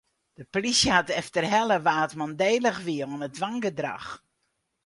De polysje hat efterhelle wa't mandélich wiene oan it wangedrach.